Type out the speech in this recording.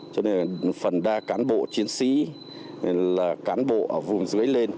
cho nên phần đa cán bộ chiến sĩ là cán bộ ở vùng dưới lên